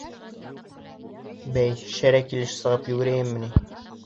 Бәй, шәрә килеш сығып йүгерәйемме ни?